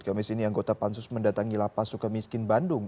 kamis ini anggota pansus mendatangi lapa sukamiskin bandung